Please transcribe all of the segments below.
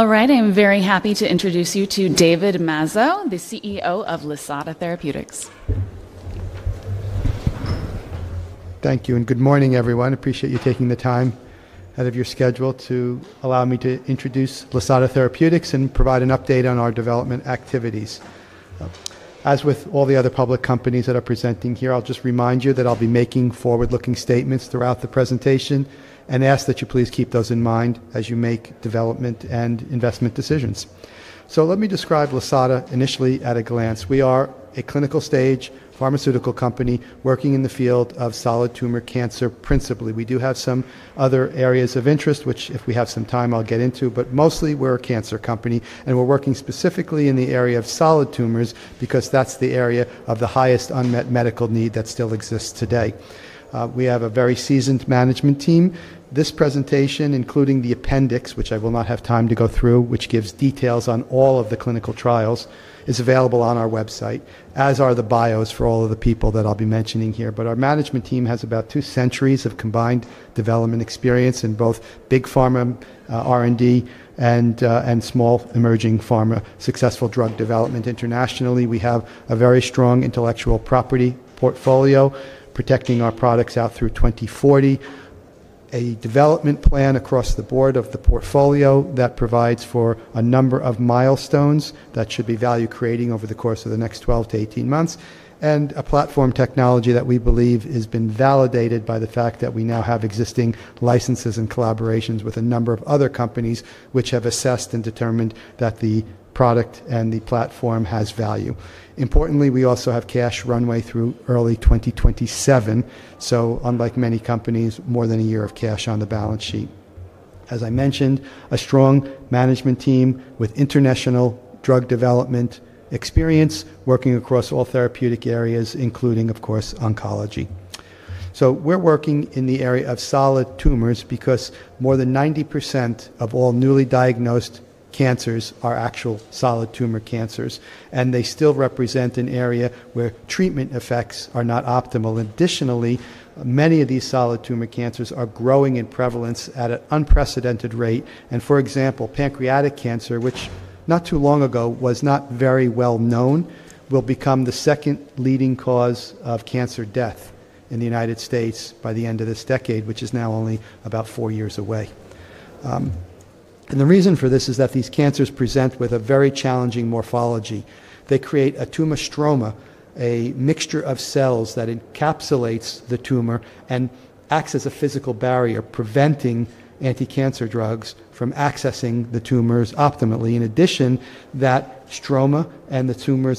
Alright, I'm very happy to introduce you to David Mazzo, the CEO of Lisata Therapeutics. Thank you, and good morning, everyone. I appreciate you taking the time out of your schedule to allow me to introduce Lisata Therapeutics and provide an update on our development activities. As with all the other public companies that are presenting here, I'll just remind you that I'll be making forward-looking statements throughout the presentation and ask that you please keep those in mind as you make development and investment decisions. Let me describe Lisata initially at a glance. We are a clinical-stage pharmaceutical company working in the field of solid tumor cancer principally. We do have some other areas of interest, which if we have some time, I'll get into, but mostly we're a cancer company and we're working specifically in the area of solid tumors because that's the area of the highest unmet medical need that still exists today. We have a very seasoned management team. This presentation, including the appendix, which I will not have time to go through, which gives details on all of the clinical trials, is available on our website, as are the bios for all of the people that I'll be mentioning here. Our management team has about two centuries of combined development experience in both big pharma R&D and small emerging pharma successful drug development internationally. We have a very strong intellectual property portfolio protecting our products out through 2040, a development plan across the board of the portfolio that provides for a number of milestones that should be value creating over the course of the next 12 to 18 months, and a platform technology that we believe has been validated by the fact that we now have existing licenses and collaborations with a number of other companies which have assessed and determined that the product and the platform have value. Importantly, we also have cash runway through early 2027, so unlike many companies, more than a year of cash on the balance sheet. As I mentioned, a strong management team with international drug development experience working across all therapeutic areas, including, of course, oncology. We're working in the area of solid tumors because more than 90% of all newly diagnosed cancers are actual solid tumor cancers, and they still represent an area where treatment effects are not optimal. Additionally, many of these solid tumor cancers are growing in prevalence at an unprecedented rate. For example, pancreatic cancer, which not too long ago was not very well known, will become the second leading cause of cancer death in the United States by the end of this decade, which is now only about four years away. The reason for this is that these cancers present with a very challenging morphology. They create a tumor stroma, a mixture of cells that encapsulates the tumor and acts as a physical barrier preventing anti-cancer drugs from accessing the tumors optimally. In addition, that stroma and the tumor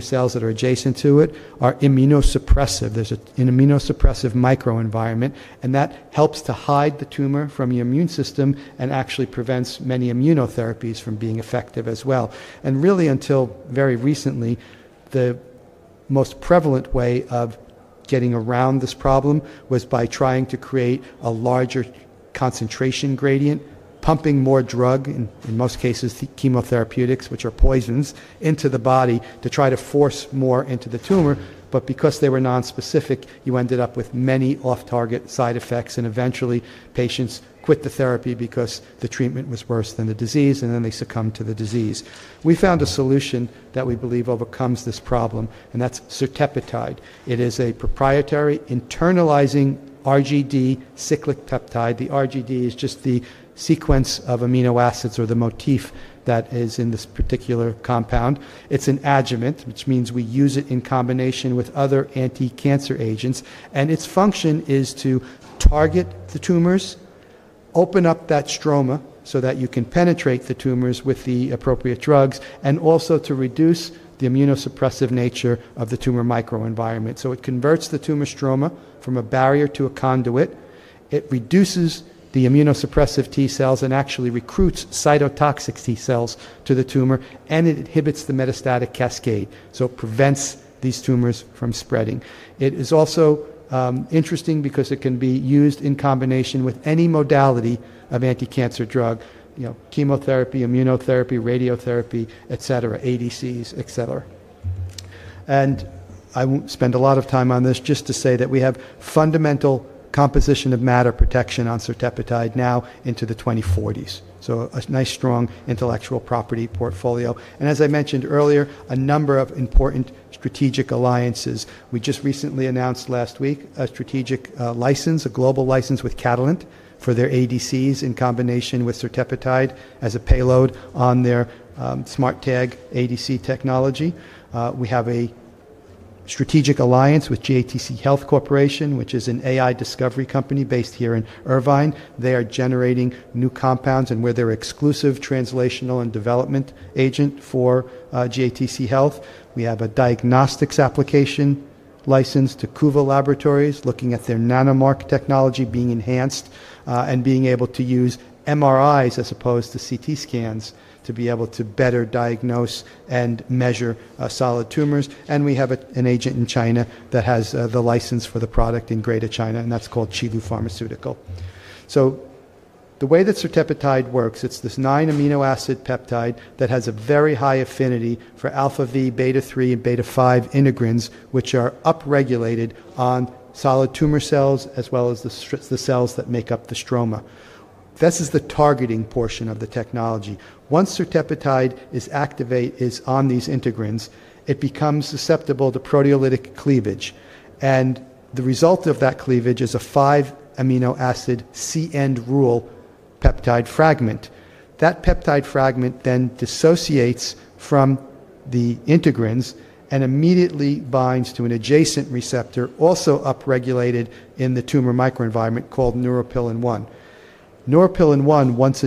cells that are adjacent to it are immunosuppressive. There's an immunosuppressive microenvironment, and that helps to hide the tumor from your immune system and actually prevents many immunotherapies from being effective as well. Really, until very recently, the most prevalent way of getting around this problem was by trying to create a larger concentration gradient, pumping more drug, in most cases chemotherapeutics, which are poisons, into the body to try to force more into the tumor. Because they were non-specific, you ended up with many off-target side effects, and eventually patients quit the therapy because the treatment was worse than the disease, and then they succumbed to the disease. We found a solution that we believe overcomes this problem, and that's SERTEPATIDE. It is a proprietary internalizing RGD cyclic peptide. The RGD is just the sequence of amino acids or the motif that is in this particular compound. It's an adjuvant, which means we use it in combination with other anti-cancer agents, and its function is to target the tumors, open up that stroma so that you can penetrate the tumors with the appropriate drugs, and also to reduce the immunosuppressive nature of the tumor microenvironment. It converts the tumor stroma from a barrier to a conduit. It reduces the immunosuppressive T cells and actually recruits cytotoxic T cells to the tumor, and it inhibits the metastatic cascade, so it prevents these tumors from spreading. It is also interesting because it can be used in combination with any modality of anti-cancer drug, you know, chemotherapy, immunotherapy, radiotherapy, etc., ADCs, etc. I won't spend a lot of time on this just to say that we have fundamental composition of matter protection on SERTEPATIDE now into the 2040s. A nice strong intellectual property portfolio. As I mentioned earlier, a number of important strategic alliances. We just recently announced last week a strategic license, a global license with Catalent for their ADCs in combination with SERTEPATIDE as a payload on their SmartTag ADC technology. We have a strategic alliance with JTC Health Corporation, which is an AI discovery company based here in Irvine. They are generating new compounds and we're their exclusive translational and development agent for JTC Health. We have a diagnostics application license to Cuva Laboratories, looking at their nanomark technology being enhanced and being able to use MRIs as opposed to CT scans to be able to better diagnose and measure solid tumors. We have an agent in China that has the license for the product in Greater China, and that's called Qilu Pharmaceutical. The way that SERTEPATIDE works, it's this nine amino acid peptide that has a very high affinity for alpha-3, beta-3, and beta-5 integrins, which are upregulated on solid tumor cells as well as the cells that make up the stroma. This is the targeting portion of the technology. Once SERTEPATIDE is activated on these integrins, it becomes susceptible to proteolytic cleavage, and the result of that cleavage is a five amino acid CN rule peptide fragment. That peptide fragment then dissociates from the integrins and immediately binds to an adjacent receptor also upregulated in the tumor microenvironment called Neuropilin 1. Neuropilin 1, once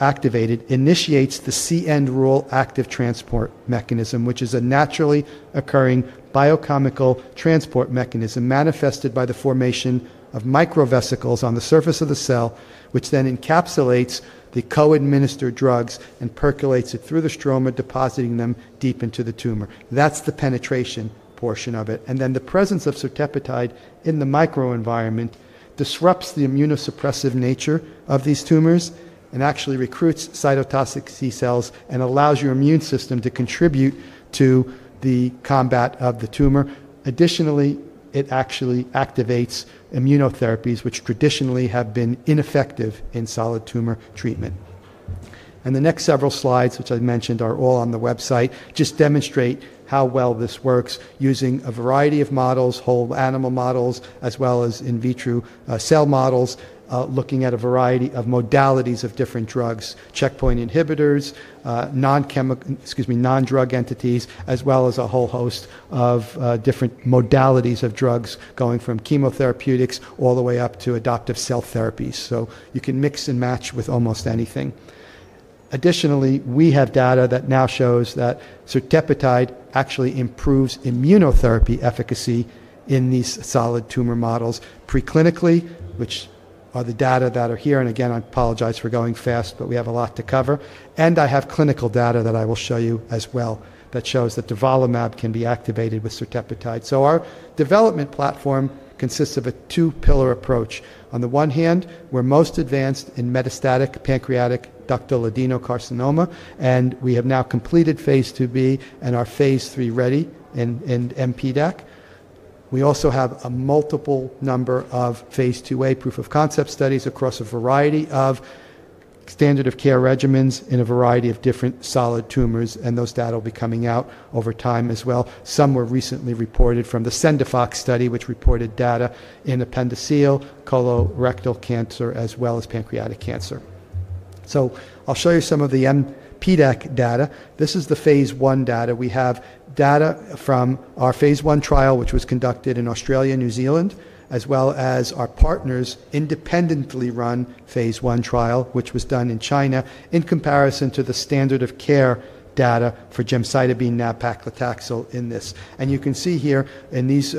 activated, initiates the CN rule active transport mechanism, which is a naturally occurring biochemical transport mechanism manifested by the formation of microvesicles on the surface of the cell, which then encapsulates the co-administered drugs and percolates it through the stroma, depositing them deep into the tumor. That's the penetration portion of it. The presence of SERTEPATIDE in the microenvironment disrupts the immunosuppressive nature of these tumors and actually recruits cytotoxic T cells and allows your immune system to contribute to the combat of the tumor. Additionally, it actually activates immunotherapies, which traditionally have been ineffective in solid tumor treatment. The next several slides, which I mentioned, are all on the website, just demonstrate how well this works using a variety of models, whole animal models, as well as in vitro cell models, looking at a variety of modalities of different drugs, checkpoint inhibitors, non-drug entities, as well as a whole host of different modalities of drugs going from chemotherapeutics all the way up to adaptive cell therapies. You can mix and match with almost anything. Additionally, we have data that now shows that SERTEPATIDE actually improves immunotherapy efficacy in these solid tumor models preclinically, which are the data that are here. I apologize for going fast, but we have a lot to cover. I have clinical data that I will show you as well that shows that durvalumab can be activated with SERTEPATIDE. Our development platform consists of a two-pillar approach. On the one hand, we're most advanced in metastatic pancreatic ductal adenocarcinoma, and we have now completed phase 2b and are phase 3-ready in metastatic pancreatic ductal adenocarcinoma. We also have a multiple number of phase 2a proof of concept studies across a variety of standard-of-care regimens in a variety of different solid tumors, and those data will be coming out over time as well. Some were recently reported from the Sendifox study, which reported data in appendiceal, colorectal cancer, as well as pancreatic cancer. I'll show you some of the metastatic pancreatic ductal adenocarcinoma data. This is the phase 1 data. We have data from our phase 1 trial, which was conducted in Australia and New Zealand, as well as our partner's independently run phase 1 trial, which was done in China, in comparison to the standard-of-care data for gemcitabine and nab-paclitaxel in this. You can see here in these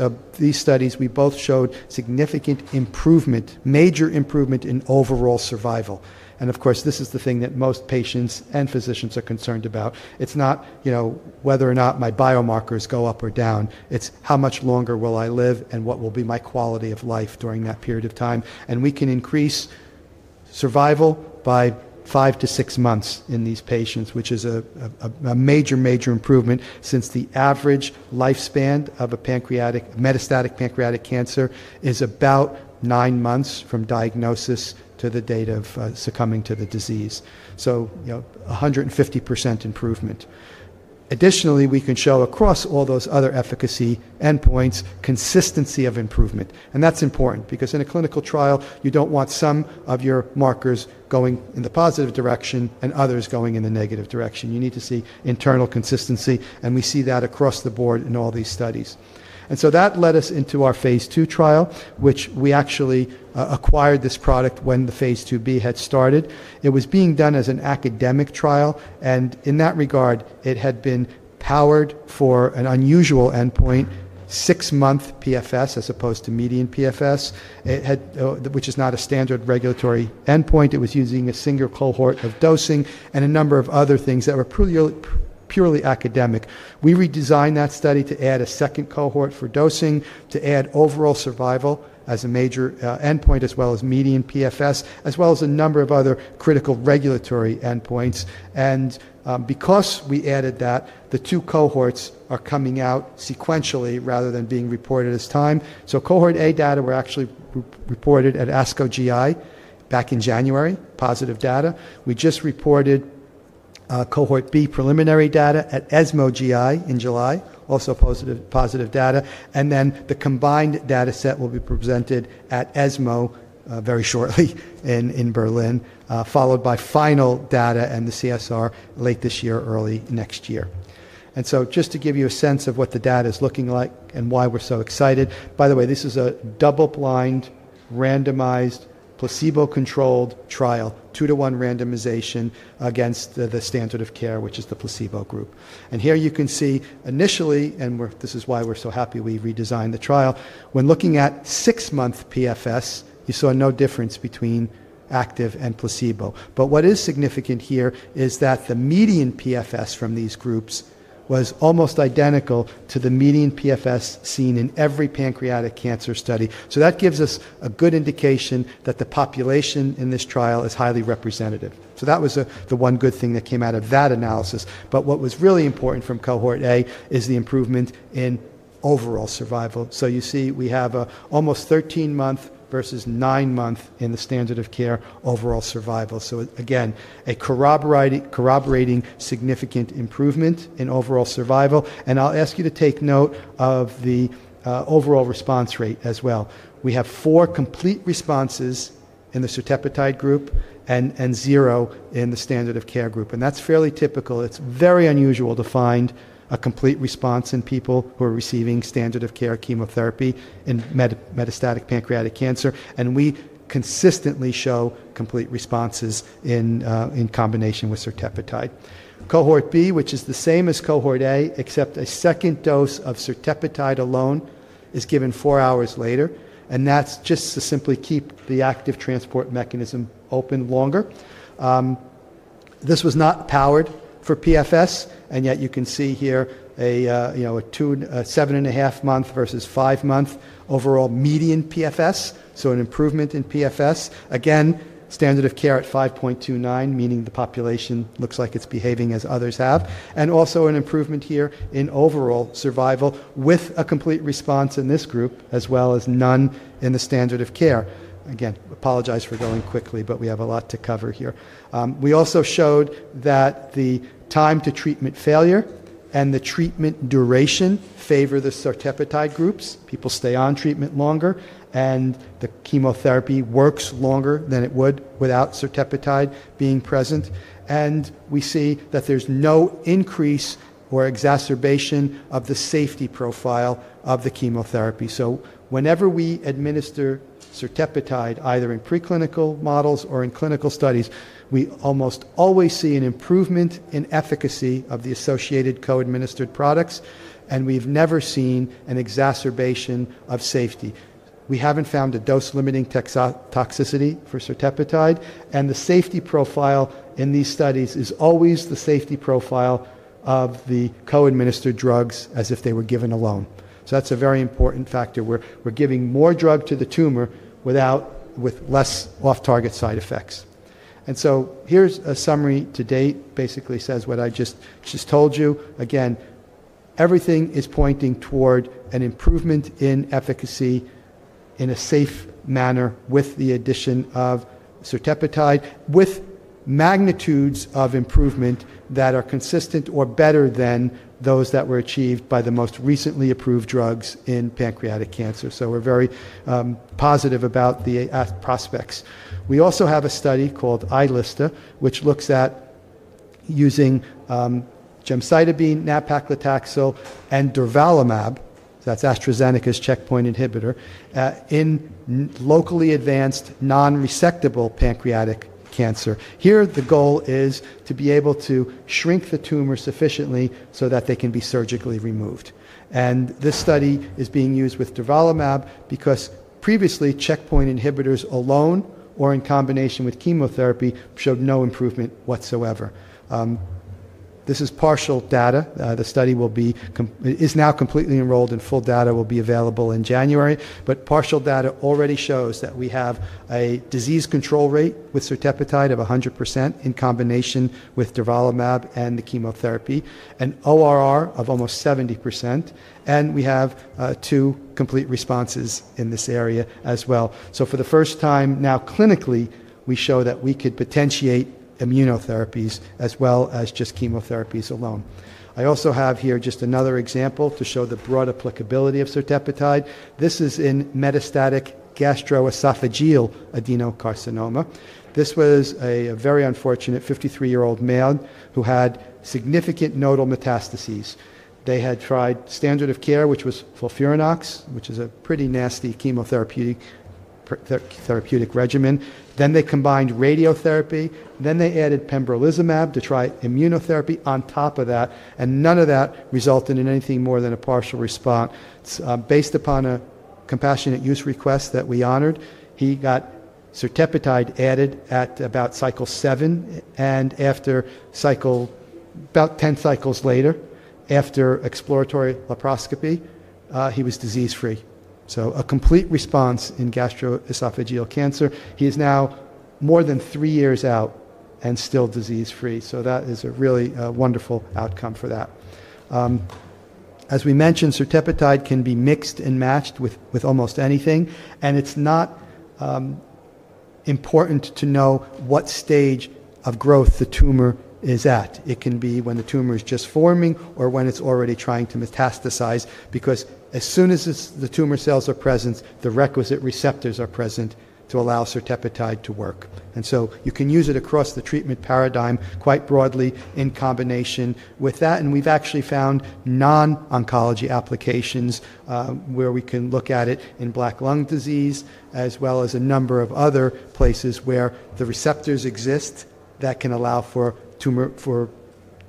studies we both showed significant improvement, major improvement in overall survival. This is the thing that most patients and physicians are concerned about. It's not, you know, whether or not my biomarkers go up or down. It's how much longer will I live and what will be my quality of life during that period of time. We can increase survival by five to six months in these patients, which is a major, major improvement since the average lifespan of a metastatic pancreatic cancer patient is about nine months from diagnosis to the date of succumbing to the disease. You know, 150% improvement. Additionally, we can show across all those other efficacy endpoints consistency of improvement. That's important because in a clinical trial, you don't want some of your markers going in the positive direction and others going in the negative direction. You need to see internal consistency, and we see that across the board in all these studies. That led us into our phase 2 trial, which we actually acquired when the phase 2b had started. It was being done as an academic trial, and in that regard, it had been powered for an unusual endpoint, six-month PFS as opposed to median PFS, which is not a standard regulatory endpoint. It was using a single cohort of dosing and a number of other things that were purely academic. We redesigned that study to add a second cohort for dosing, to add overall survival as a major endpoint, as well as median PFS, as well as a number of other critical regulatory endpoints. Because we added that, the two cohorts are coming out sequentially rather than being reported at the same time. Cohort A data were actually reported at ASCO GI back in January, positive data. We just reported cohort B preliminary data at ESMO GI in July, also positive data. The combined data set will be presented at ESMO very shortly in Berlin, followed by final data and the CSR late this year, early next year. Just to give you a sense of what the data is looking like and why we're so excited, by the way, this is a double-blind, randomized, placebo-controlled trial, two-to-one randomization against the standard of care, which is the placebo group. Here you can see initially, and this is why we're so happy we redesigned the trial, when looking at six-month PFS, you saw no difference between active and placebo. What is significant here is that the median PFS from these groups was almost identical to the median PFS seen in every pancreatic cancer study. That gives us a good indication that the population in this trial is highly representative. That was the one good thing that came out of that analysis. What was really important from cohort A is the improvement in overall survival. You see we have almost 13-month versus 9-month in the standard of care overall survival. Again, a corroborating significant improvement in overall survival. I'll ask you to take note of the overall response rate as well. We have four complete responses in the SERTEPATIDE group and zero in the standard of care group. That's fairly typical. It's very unusual to find a complete response in people who are receiving standard-of-care chemotherapy in metastatic pancreatic cancer. We consistently show complete responses in combination with SERTEPATIDE. Cohort B, which is the same as Cohort A except a second dose of SERTEPATIDE alone is given four hours later, is just to simply keep the active transport mechanism open longer. This was not powered for PFS, yet you can see here a 7.5-month versus 5-month overall median PFS, so an improvement in PFS. Standard of care at 5.29, meaning the population looks like it's behaving as others have. There is also an improvement here in overall survival with a complete response in this group, as well as none in the standard of care. I apologize for going quickly, but we have a lot to cover here. We also showed that the time to treatment failure and the treatment duration favor the SERTEPATIDE groups. People stay on treatment longer, and the chemotherapy works longer than it would without SERTEPATIDE being present. We see that there's no increase or exacerbation of the safety profile of the chemotherapy. Whenever we administer SERTEPATIDE, either in preclinical models or in clinical studies, we almost always see an improvement in efficacy of the associated co-administered products, and we've never seen an exacerbation of safety. We haven't found a dose-limiting toxicity for SERTEPATIDE, and the safety profile in these studies is always the safety profile of the co-administered drugs as if they were given alone. That's a very important factor. We're giving more drug to the tumor with less off-target side effects. Here's a summary to date. Basically says what I just told you. Everything is pointing toward an improvement in efficacy in a safe manner with the addition of SERTEPATIDE, with magnitudes of improvement that are consistent or better than those that were achieved by the most recently approved drugs in pancreatic cancer. We're very positive about the prospects. We also have a study called iLSTA, which looks at using gemcitabine, nab-paclitaxel, and durvalumab, so that's AstraZeneca's checkpoint inhibitor, in locally advanced non-resectable pancreatic cancer. Here, the goal is to be able to shrink the tumor sufficiently so that they can be surgically removed. This study is being used with durvalumab because previously checkpoint inhibitors alone or in combination with chemotherapy showed no improvement whatsoever. This is partial data. The study is now completely enrolled, and full data will be available in January. Partial data already shows that we have a disease control rate with SERTEPATIDE of 100% in combination with durvalumab and the chemotherapy, an ORR of almost 70%, and we have two complete responses in this area as well. For the first time now clinically, we show that we could potentiate immunotherapies as well as just chemotherapies alone. I also have here just another example to show the broad applicability of SERTEPATIDE. This is in metastatic gastroesophageal adenocarcinoma. This was a very unfortunate 53-year-old man who had significant nodal metastases. They had tried standard-of-care, which was FOLFIRINOX, which is a pretty nasty chemotherapeutic regimen. They combined radiotherapy. They added pembrolizumab to try immunotherapy on top of that, and none of that resulted in anything more than a partial response. Based upon a compassionate use request that we honored, he got SERTEPATIDE added at about cycle seven, and after about 10 cycles later, after exploratory laparoscopy, he was disease-free. A complete response in gastroesophageal cancer. He is now more than three years out and still disease-free. That is a really wonderful outcome for that. As we mentioned, SERTEPATIDE can be mixed and matched with almost anything, and it's not important to know what stage of growth the tumor is at. It can be when the tumor is just forming or when it's already trying to metastasize, because as soon as the tumor cells are present, the requisite receptors are present to allow SERTEPATIDE to work. You can use it across the treatment paradigm quite broadly in combination with that. We've actually found non-oncology applications where we can look at it in black lung disease, as well as a number of other places where the receptors exist that can allow for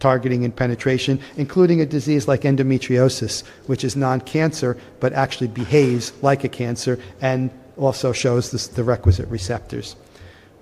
targeting and penetration, including a disease like endometriosis, which is non-cancer, but actually behaves like a cancer and also shows the requisite receptors.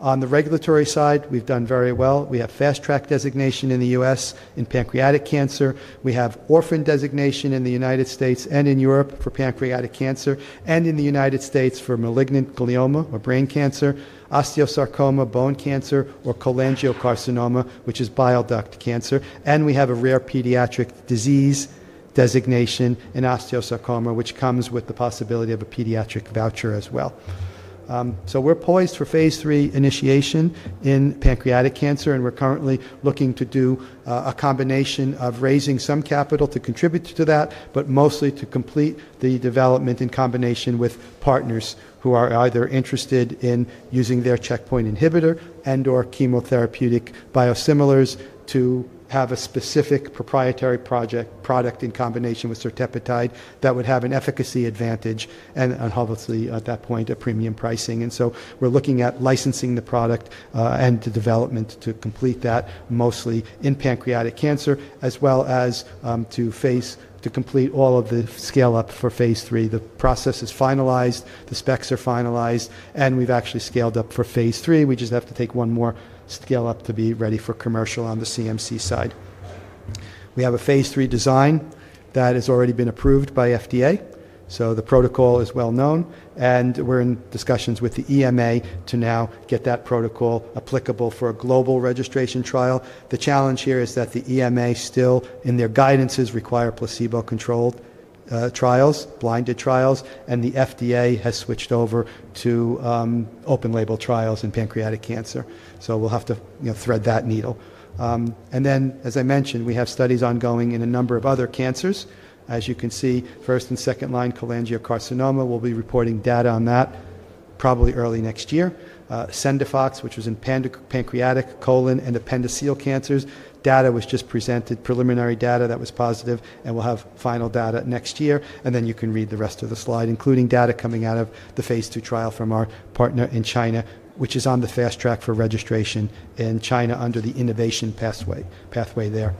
On the regulatory side, we've done very well. We have Fast Track designation in the U.S. in pancreatic cancer. We have Orphan Drug status in the U.S. and in Europe for pancreatic cancer, and in the U.S. for malignant glioma or brain cancer, osteosarcoma bone cancer, or cholangiocarcinoma, which is bile duct cancer. We have a rare pediatric disease designation in osteosarcoma, which comes with the possibility of a pediatric voucher as well. We're poised for phase 3 initiation in pancreatic cancer, and we're currently looking to do a combination of raising some capital to contribute to that, but mostly to complete the development in combination with partners who are either interested in using their checkpoint inhibitor and/or chemotherapeutic biosimilars to have a specific proprietary product in combination with SERTEPATIDE that would have an efficacy advantage and obviously at that point a premium pricing. We're looking at licensing the product and the development to complete that mostly in pancreatic cancer, as well as to complete all of the scale-up for phase 3. The process is finalized, the specs are finalized, and we've actually scaled up for phase 3. We just have to take one more scale-up to be ready for commercial on the CMC side. We have a phase 3 design that has already been approved by FDA. The protocol is well known, and we're in discussions with the EMA to now get that protocol applicable for a global registration trial. The challenge here is that the EMA still, in their guidances, require placebo-controlled trials, blinded trials, and the FDA has switched over to open-label trials in pancreatic cancer. We'll have to thread that needle. As I mentioned, we have studies ongoing in a number of other cancers. As you can see, first and second-line cholangiocarcinoma, we'll be reporting data on that probably early next year. Sendifox, which was in pancreatic, colon, and appendiceal cancers, data was just presented, preliminary data that was positive, and we'll have final data next year. You can read the rest of the slide, including data coming out of the phase 2 trial from our partner in Greater China, which is on the Fast Track for registration in China under the innovation pathway there.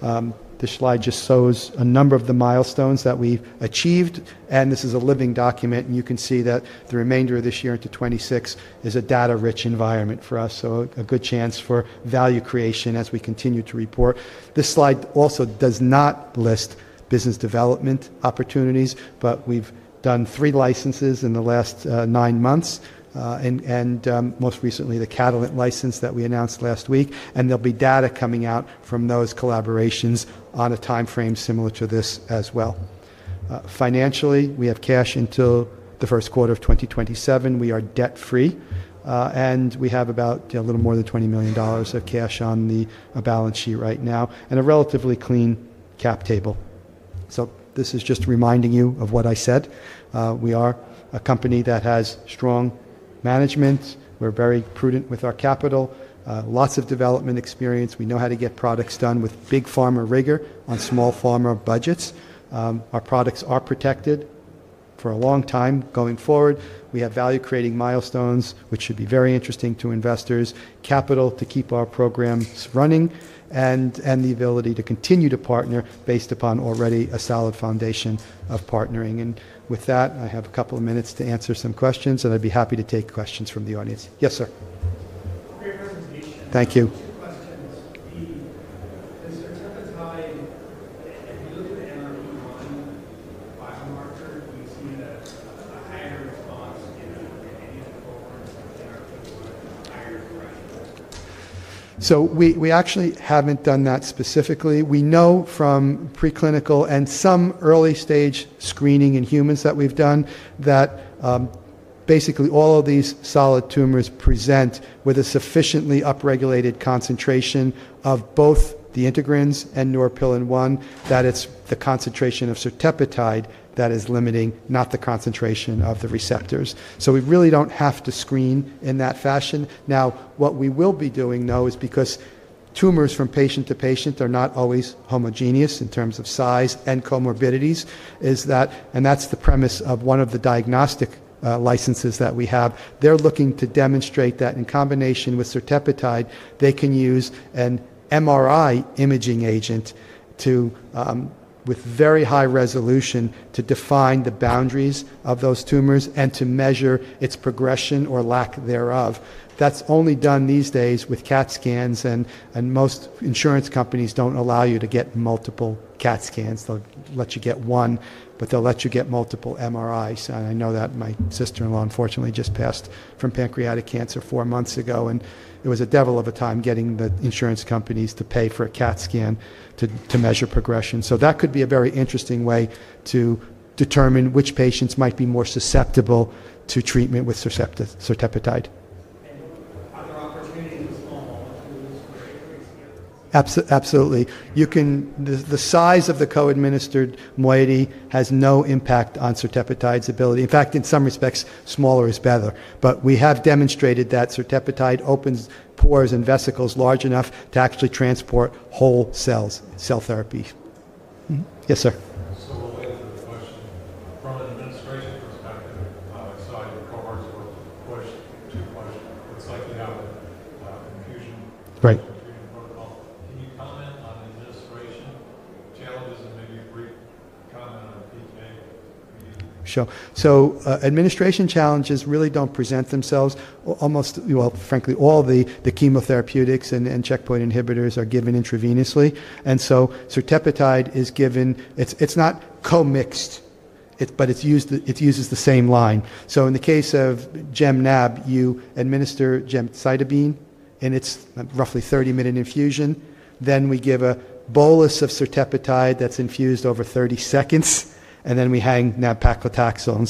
This slide just shows a number of the milestones that we've achieved, and this is a living document, and you can see that the remainder of this year into 2026 is a data-rich environment for us. A good chance for value creation as we continue to report. This slide also does not list business development opportunities, but we've done three licenses in the last nine months, and most recently the Catalent license that we announced last week. There'll be data coming out from those collaborations on a timeframe similar to this as well. Financially, we have cash until the first quarter of 2027. We are debt-free, and we have about a little more than $20 million of cash on the balance sheet right now and a relatively clean cap table. This is just reminding you of what I said. We are a company that has strong management. We're very prudent with our capital, lots of development experience. We know how to get products done with big pharma rigor on small pharma budgets. Our products are protected for a long time going forward. We have value-creating milestones, which should be very interesting to investors, capital to keep our programs running, and the ability to continue to partner based upon already a solid foundation of partnering. With that, I have a couple of minutes to answer some questions, and I'd be happy to take questions from the audience. Yes, sir. Great presentation. Thank you. Question is, does SERTEPATIDE, if you look at the NRP-1 biomarker, do you see a higher response in any of the cohorts with NRP-1 or higher thresholds? We actually haven't done that specifically. We know from preclinical and some early-stage screening in humans that we've done that basically all of these solid tumors present with a sufficiently upregulated concentration of both the integrins and Neuropilin 1 that it's the concentration of SERTEPATIDE that is limiting, not the concentration of the receptors. We really don't have to screen in that fashion. What we will be doing, though, is because tumors from patient to patient are not always homogeneous in terms of size and comorbidities, and that's the premise of one of the diagnostic licenses that we have. They're looking to demonstrate that in combination with SERTEPATIDE, they can use an MRI imaging agent with very high resolution to define the boundaries of those tumors and to measure its progression or lack thereof. That's only done these days with CAT scans, and most insurance companies don't allow you to get multiple CAT scans. They'll let you get one, but they'll let you get multiple MRIs. I know that my sister-in-law, unfortunately, just passed from pancreatic cancer four months ago, and it was a devil of a time getting the insurance companies to pay for a CAT scan to measure progression. That could be a very interesting way to determine which patients might be more susceptible to treatment with SERTEPATIDE. Are there opportunities with small molecules for increased scale? Absolutely. The size of the co-administered moiety has no impact on SERTEPATIDE's ability. In fact, in some respects, smaller is better. We have demonstrated that SERTEPATIDE opens pores and vesicles large enough to actually transport whole cells, cell therapy. Yes, sir. I'll answer the question. From an administration perspective, how I saw your cohorts were pushed too pushed. It looks like you have a confusion protocol. Can you comment on administration challenges and maybe a brief comment on PK? Sure. Administration challenges really don't present themselves. Almost, frankly, all the chemotherapeutics and checkpoint inhibitors are given intravenously, and SERTEPATIDE is given—it's not co-mixed, but it's used as the same line. In the case of GemNab, you administer gemcitabine, and it's a roughly 30-minute infusion. We give a bolus of SERTEPATIDE that's infused over 30 seconds, and then we hang nab-paclitaxel.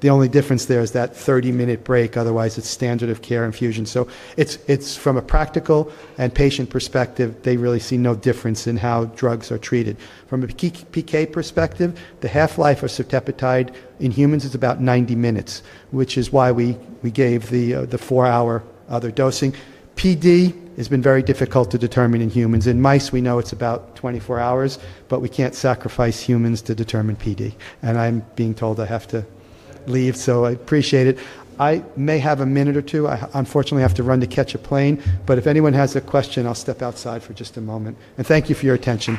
The only difference there is that 30-minute break. Otherwise, it's standard-of-care infusion. From a practical and patient perspective, they really see no difference in how drugs are treated. From a PK perspective, the half-life of SERTEPATIDE in humans is about 90 minutes, which is why we gave the four-hour other dosing. PD has been very difficult to determine in humans. In mice, we know it's about 24 hours, but we can't sacrifice humans to determine PD. I'm being told I have to leave, so I appreciate it. I may have a minute or two. I unfortunately have to run to catch a plane, but if anyone has a question, I'll step outside for just a moment. Thank you for your attention.